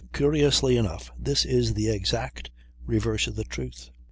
Curiously enough, this is the exact reverse of the truth.